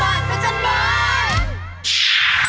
แม่บ้านข้าชันบ้าน